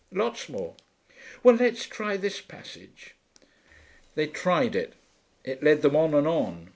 Lots more.' 'Well, let's try this passage.' They tried it. It led them on and on.